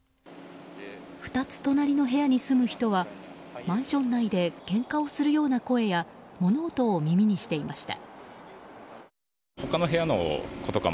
２つ隣の部屋に住む人はマンション内でけんかをするような声や物音を耳にしていました。